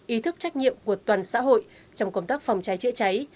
ý thức trách nhiệm của toàn xã hội trong công tác phòng cháy chữa cháy